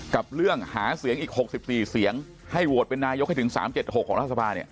กับเรื่องหาเสียงอีก๖๔เสียงให้โหวตเป็นนายกให้ถึง๓๗๖ของรัฐสภาเนี่ย